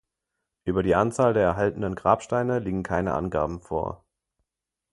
Über die Anzahl der erhaltenen Grabsteine liegen keine Angaben vor.